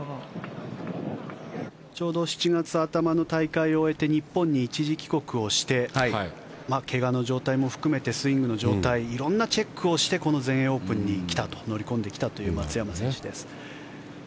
ちょうど７月頭の大会を終えて日本に一時帰国をして怪我の状態も含めてスイングの状態色んなチェックをしてこの全英オープンに乗り込んできたという松山選手です。